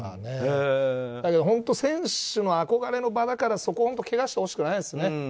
だけど選手の憧れの場だからそこを汚してほしくないですね。